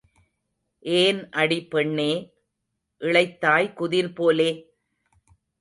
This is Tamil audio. ஏன் அடி பெண்ணே, இளைத்தாய் குதிர் போலே?